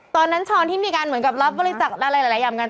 ตอนนั้นชมทิมดีกันเหมือนกับรับบริจาคอะไรมากัน